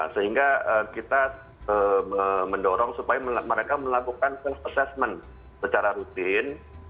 sehingga kita mendorong supaya mereka melakukan self assessment secara rutin